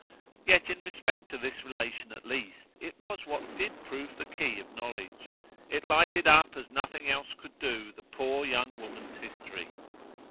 Yet in respect to this relation at least it was what did prove the key of knowledge; it lighted up as nothing else could do the poor young woman's history.